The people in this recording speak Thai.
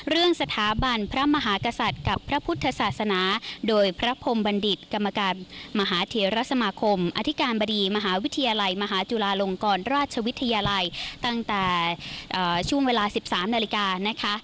เรื่องสถาบันพระมหากษัตริย์กับพระพุทธศาสนาโดยพระพรมบัณฑิตกรรมการมหาเทรสมาคมอธิการบดีมหาวิทยาลัยมหาจุฬาลงกรราชวิทยาลัยตั้งแต่ช่วงเวลา๑๓นาฬิกานะคะ